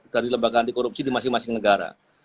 dari lembaga anti korupsi di masing masing negara